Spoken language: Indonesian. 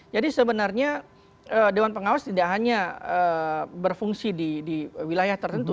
jadi sebenarnya dewan pengawas tidak hanya berfungsi di wilayah tertentu